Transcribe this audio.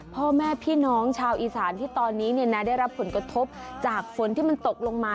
พ่อแม่พี่น้องชาวอีสานที่ตอนนี้ได้รับผลกระทบจากฝนที่มันตกลงมา